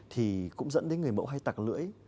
thì cũng dẫn đến người mẫu hay tặc lưỡi